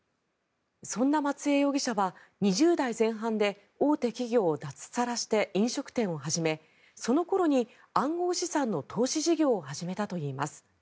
そんな松江容疑者は２０代前半で大手企業を脱サラして飲食店を始めその頃に暗号資産の投資事業を始めたといいます。